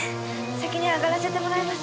先にあがらせてもらいます。